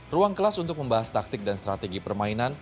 ruang kelas untuk membahas taktik dan strategi permainan